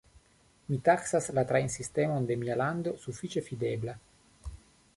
Mi taksas la trajnsistemon de mia lando sufiĉe fidebla.